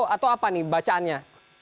atau apa nih bacaannya